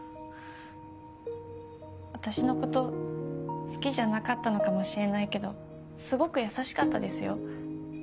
私のこと好きじゃなかったのかもしれないけどすごく優しかったですよ。